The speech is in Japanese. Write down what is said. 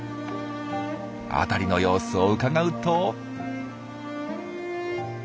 あたりの様子をうかがうと。